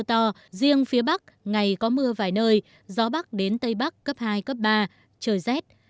mưa to riêng phía bắc ngày có mưa vài nơi gió bắc đến tây bắc cấp hai cấp ba trời rét